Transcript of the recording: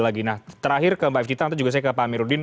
lagi nah terakhir ke mbak f cita